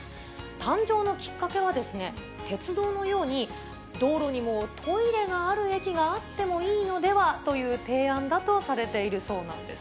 誕生のきっかけは、鉄道のように道路にもトイレがある駅があってもいいのではという提案だとされているそうなんです。